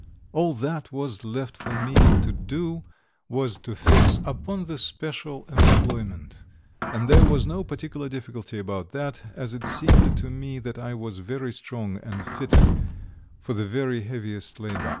All that was left for me to do was to fix upon the special employment, and there was no particular difficulty about that, as it seemed to me that I was very strong and fitted for the very heaviest labour.